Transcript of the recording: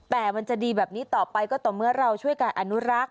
แต่มันจะดีแบบนี้ต่อไปก็ต่อเมื่อเราช่วยการอนุรักษ์